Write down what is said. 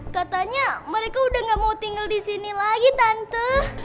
katanya mereka udah gak mau tinggal disini lagi tante